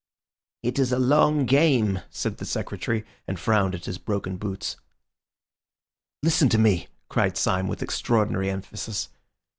"It is a long game," said the Secretary, and frowned at his broken boots. "Listen to me," cried Syme with extraordinary emphasis.